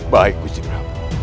baik gusti prabu